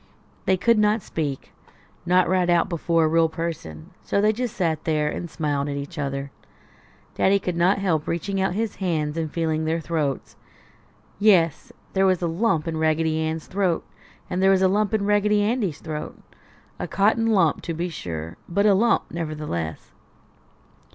They could not speak not right out before a real person so they just sat there and smiled at each other. Daddy could not help reaching out his hands and feeling their throats. Yes! There was a lump in Raggedy Ann's throat, and there was a lump in Raggedy Andy's throat. A cotton lump, to be sure, but a lump nevertheless.